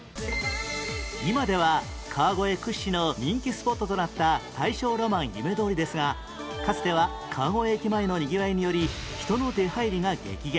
今では川越屈指の人気スポットとなった大正浪漫夢通りですがかつては川越駅前のにぎわいにより人の出入りが激減